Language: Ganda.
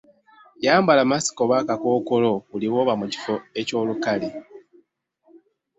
Yambala masiki oba akakookolo buli lw’oba mu kifo eky'olukale.